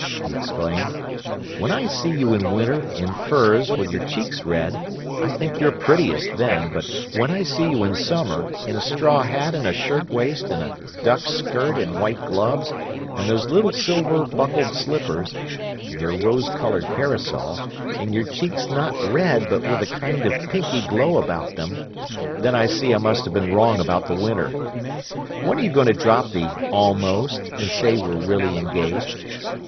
he exclaimed. "When I see you in winter, in furs, with your cheeks red, I think you're prettiest then, but when I see you in summer, in a straw hat and a shirtwaist and a duck skirt and white gloves and those little silver buckled slippers, and your rose coloured parasol, and your cheeks not red but with a kind of pinky glow about them, then I see I must have been wrong about the winter! When are you going to drop the 'almost' and say we're really engaged?"